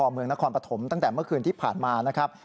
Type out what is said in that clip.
ที่สอยพอเมืองนครปธมไทยตั้งแต่เมื่อคืนที่ผ่านมานะครับ